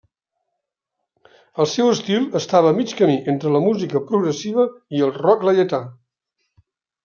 El seu estil estava a mig camí entre la música progressiva i el rock laietà.